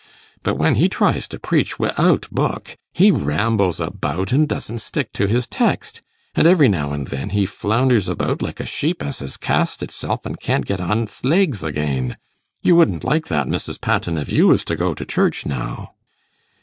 But when he tries to preach wi'out book, he rambles about, and doesn't stick to his text; and every now and then he flounders about like a sheep as has cast itself, and can't get on'ts legs again. You wouldn't like that, Mrs. Patten, if you was to go to church now?